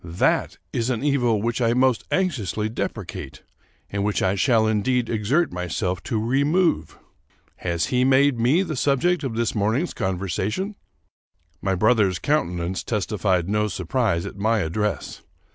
That is an evil which I most anxiously depre cate, and which I shall indeed exert myself to remove. Has he made me the subject of this morning's conversation?" My brother's countenance testified no surprise at my address.